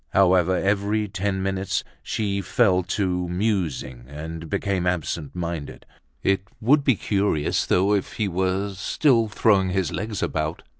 However, every ten minutes, she fell to musing and became absent minded. It would be curious though, if he were still throwing his legs about.